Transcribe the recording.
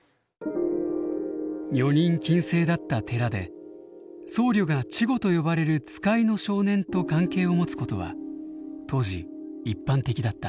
女人禁制だった寺で僧侶が稚児と呼ばれる使いの少年と関係を持つことは当時一般的だった。